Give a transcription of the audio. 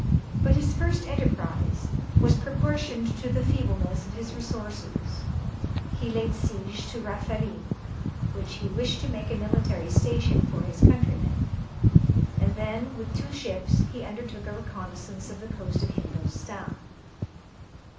But his first enterprise was proportioned to the feebleness of his resources; he laid siege to Raphelim, which he wished to make a military station for his countrymen, and then with two ships he undertook a reconnaissance of the coast of Hindostan.